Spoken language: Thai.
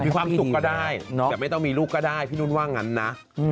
มีความสุขก็ได้แต่ไม่ต้องมีลูกก็ได้พี่นุ่นว่างั้นนะ